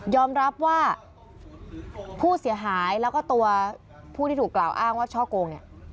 รับว่าผู้เสียหายแล้วก็ตัวผู้ที่ถูกกล่าวอ้างว่าช่อโกงเนี่ย